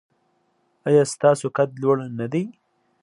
ایا ستاسو قد لوړ نه دی؟